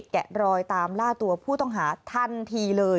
แกะรอยตามล่าตัวผู้ต้องหาทันทีเลย